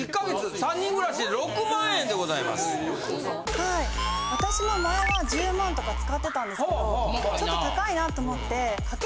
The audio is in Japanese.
はい私も前は１０万とか使ってたんですけどちょっと高いなと思って。